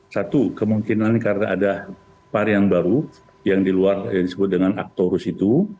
satu kemungkinan karena ada varian baru yang diluar disebut dengan aktorus itu